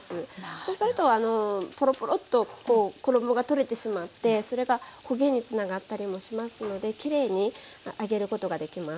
そうするとポロポロっと衣が取れてしまってそれが焦げにつながったりもしますのできれいに揚げることができます。